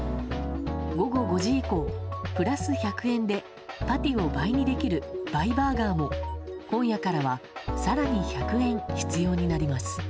午後５時以降プラス１００円でパティを倍にできる倍バーガーも今夜からは更に１００円必要になります。